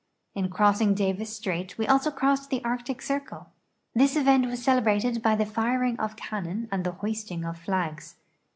In crossing Davis strait we also cro.ssed the Arctic Circle. This event was celebrated l)y tlie firing of camum and the hoisting of flags.